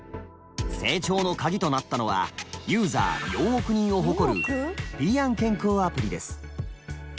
成長のカギとなったのはユーザー４億人を誇る平安健康アプリです。